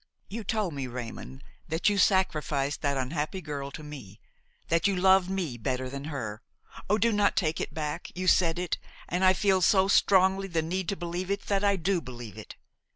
You told me, Raymon, that you sacrificed that unhappy girl to me, that you loved me better than her. Oh! do not take it back; you said it, and I feel so strongly the need to believe it that I do believe it.